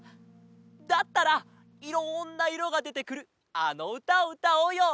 だったらいろんないろがでてくるあのうたをうたおうよ！